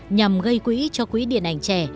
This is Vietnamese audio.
nhằm gây quỹ cho quỹ điện ảnh trẻ